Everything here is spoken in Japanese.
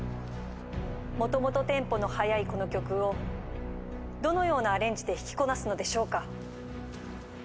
もともとテンポの速いこの曲をどのようなアレンジで弾きこなすのでしょうか。